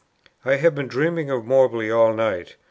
"I have been dreaming of Moberly all night.